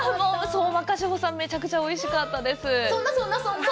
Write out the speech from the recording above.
相馬菓子舗さん、めちゃくちゃおいしかったです。